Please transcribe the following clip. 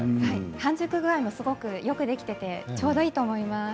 半熟具合もよくできていてちょうどいいと思います。